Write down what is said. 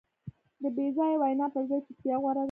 د بېځایه وینا پر ځای چوپتیا غوره ده.